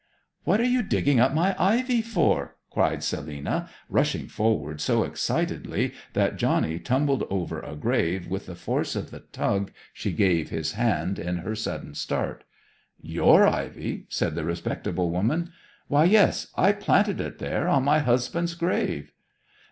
'What are you digging up my ivy for!' cried Selina, rushing forward so excitedly that Johnny tumbled over a grave with the force of the tug she gave his hand in her sudden start. 'Your ivy?' said the respectable woman. 'Why yes! I planted it there on my husband's grave.'